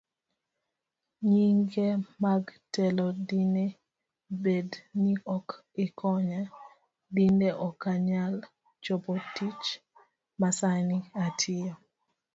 Nyinge mag telo Dine bed ni ok ikonya, dine okanyal chopotich masani atiyo.